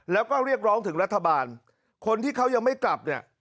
แล้วก็เรียกร้องถึงรัฐบาลคนที่เขายังไม่กลับเนี่ย